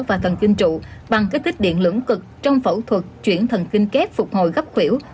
và thần kinh trụ bằng kích thích điện lưỡng cực trong phẫu thuật chuyển thần kinh kép phục hồi gấp quể